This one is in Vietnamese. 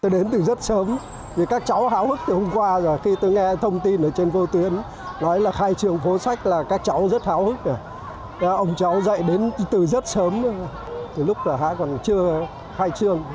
dạy đến từ rất sớm từ lúc hà còn chưa khai trương